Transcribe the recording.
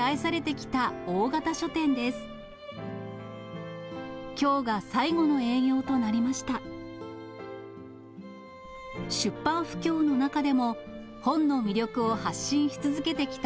きょうが最後の営業となりました。